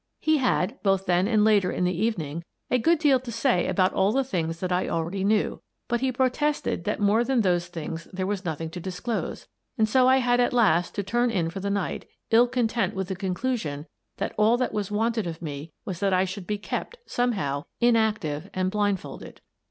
He had, both then and later in the eve ning, a good deal to say about all the things that I already knew, but he protested that more than those things there was nothing to disclose, and so I had at last to turn in for the night ill content with the conclusion that all that was wanted of me was that I should be kept, somehow, inactive and blindfolded.